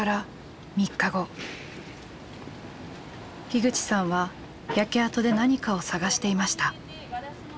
口さんは焼け跡で何かを探していました。